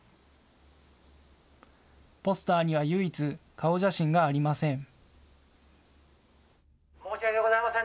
ポスターには唯一、顔写真がありません。